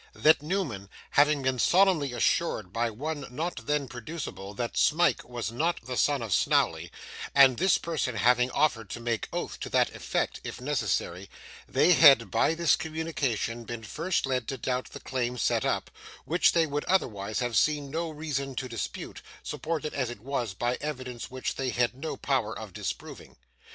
That, Newman, having been solemnly assured by one not then producible that Smike was not the son of Snawley, and this person having offered to make oath to that effect, if necessary, they had by this communication been first led to doubt the claim set up, which they would otherwise have seen no reason to dispute, supported as it was by evidence which they had no power of disproving.